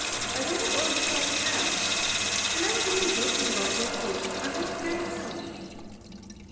I don't at all dislike cabs. And I was only joking about walking. I walk very well."